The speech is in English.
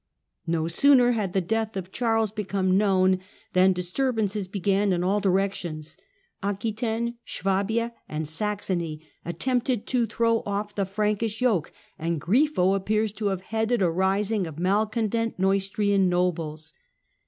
1N0 sooner had the death of Charles become known than disturbances began in all directions. Aquetaine, Suabia and Saxony attempted to throw off the Frankish yoke, and Grifo appears to have headed a rising of malcontent Neustrian nobles.